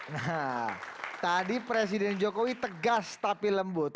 nah tadi presiden jokowi tegas tapi lembut